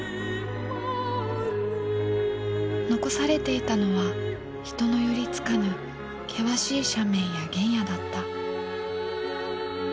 残されていたのは人の寄りつかぬ険しい斜面や原野だった。